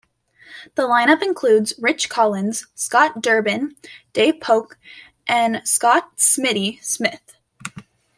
The line-up includes Rich Collins, Scott Durbin, Dave Poche, and Scott "Smitty" Smith.